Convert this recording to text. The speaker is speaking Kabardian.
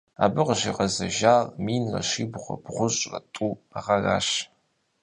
Абы къыщигъэзэжар минрэ щибгъурэ бгъущӀрэ тӀу гъэращ.